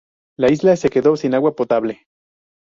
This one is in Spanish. La isla se quedó sin agua potable.